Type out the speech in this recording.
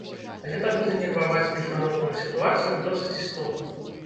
Гэта будзе нерваваць міжнародную сітуацыю досыць істотна.